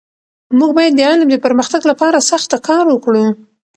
موږ باید د علم د پرمختګ لپاره سخته کار وکړو.